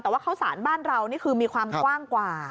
แต่ว่าข้าวสารบ้านเรานี่คือมีความกว้างกว่า